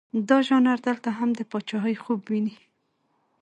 دا ژانر دلته هم د پاچهي خوب ویني.